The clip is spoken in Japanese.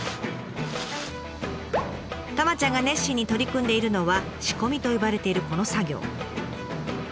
たまちゃんが熱心に取り組んでいるのは「仕込み」と呼ばれているこの作業。